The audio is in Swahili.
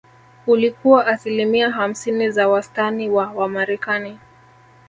Ulikuwa asilimia hamsini za wastani wa Wamarekani